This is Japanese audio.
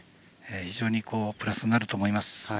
非常にプラスになると思います。